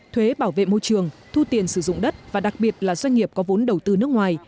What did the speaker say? thuế bảo vệ môi trường thu tiền sử dụng đất và đặc biệt là doanh nghiệp có vốn đầu tư nước ngoài